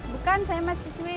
bukan saya masih swih